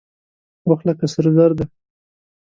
وخت لکه سره زر دى.